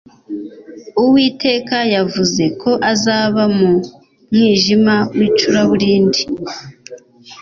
uwiteka yavuze ko azaba mu mwijima w'icuraburindi